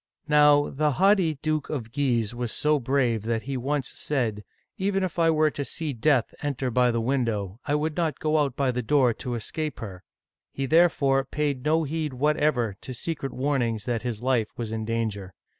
Now the haughty Duke of Guise was so brave that he once said, " Even if I were to see death enter by the window, I would not go out by the door to escape her." He there fore paid no heed whatever to secret warnings that his life was in danger.